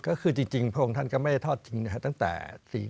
ก็คือจริงพระองค์ท่านก็ไม่ได้ทอดทิ้งตั้งแต่